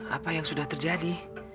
apa yang sudah terjadi